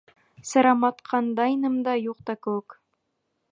Сырамытҡандаймын да, юҡ та кеүек.